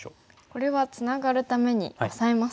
これはツナがるためにオサえますか。